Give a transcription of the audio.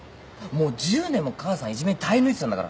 もう１０年も母さんいじめに耐え抜いてたんだから。